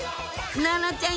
奈々ちゃん